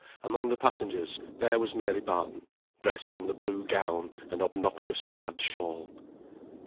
Among the passengers there was Mary Barton, dressed in the blue gown and obnoxious plaid shawl.